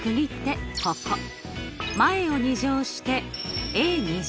前を２乗して。